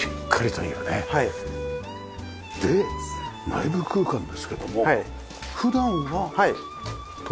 で内部空間ですけども普段は閉じてる？